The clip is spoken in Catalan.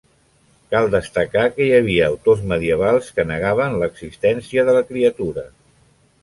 Cal destacar que hi havia autors medievals que negaven l'existència de la criatura.